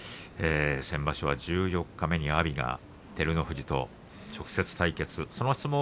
先場所は十四日目には阿炎が照ノ富士と直接対決でした。